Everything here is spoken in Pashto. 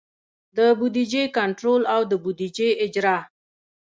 د بودیجې کنټرول او د بودیجې اجرا.